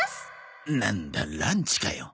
なんだランチかよ。